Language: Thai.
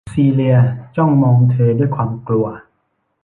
ซีเลียจ้องมองเธอด้วยความกลัว